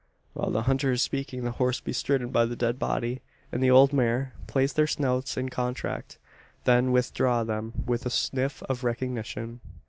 While the hunter is speaking, the horse bestridden by the dead body, and the old mare, place their snouts in contact then withdraw them with a sniff of recognition.